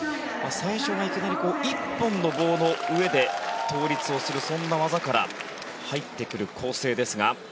最初がいきなり１本の棒の上で倒立をするそんな技から入ってくる構成ですが。